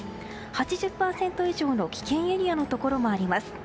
８０％以上の危険エリアのところもあります。